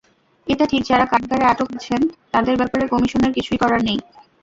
এটা ঠিক, যাঁরা কারাগারে আটক আছেন তাঁদের ব্যাপারে কমিশনের কিছুই করার নেই।